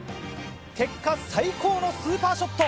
結果最高のスーパーショット。